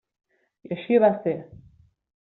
I així va ser.